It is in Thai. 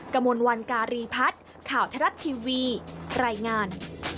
กระมวลวันการีพัฒน์ข่าวทรัฐทีวีรายงาน